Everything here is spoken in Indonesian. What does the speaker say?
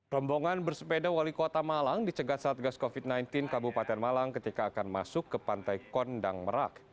rombongan bersepeda wali kota malang dicegat saat gas covid sembilan belas kabupaten malang ketika akan masuk ke pantai kondang merak